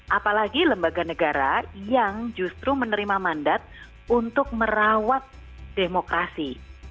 apalagi lembaga negara yang justru menerima mandat untuk merawat demokrasi